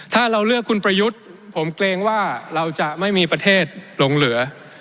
ถ้าเราเลือกคุณประยุทธ์ผมเกรงว่าเราจะไม่มีประเทศลงเหลือ